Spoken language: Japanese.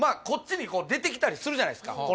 こっちに出てきたりするじゃないっすか